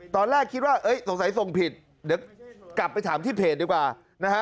ตอนแรกคิดว่าสงสัยส่งผิดเดี๋ยวกลับไปถามที่เพจดีกว่านะฮะ